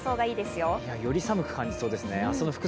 より寒く感じそうですね。